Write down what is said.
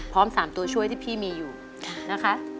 ๓ตัวช่วยที่พี่มีอยู่นะคะ